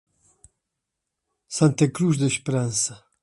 Santa Cruz da Esperança